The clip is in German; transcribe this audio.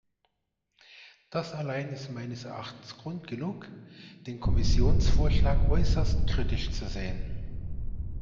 Das allein ist meines Erachtens Grund genug, den Kommissionsvorschlag äußerst kritisch zu sehen.